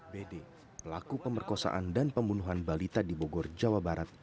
bd pelaku pemerkosaan dan pembunuhan balita di bogor jawa barat